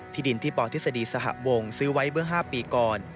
ดินที่ปทฤษฎีสหวงซื้อไว้เมื่อ๕ปีก่อน